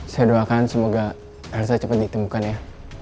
saya doakan semoga elsa cepet ditemukan ya